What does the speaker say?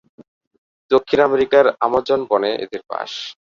দক্ষিণ আমেরিকার আমাজন বনে এদের বাস।